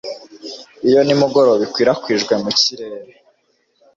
Iyo nimugoroba ikwirakwijwe mu kirere